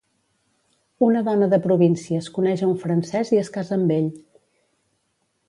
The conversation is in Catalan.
Una dona de províncies coneix a un francès i es casa amb ell.